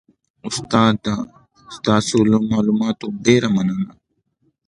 استاده ستاسو له معلوماتو ډیره مننه